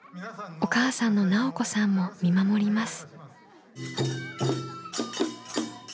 お母さんの奈緒子さんも見守ります。